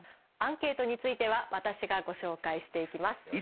アンケートについては私がご紹介していきます。